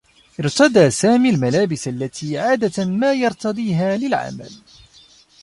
ارتدى سامي الملابس التي عادة ما يرتديها للعمل.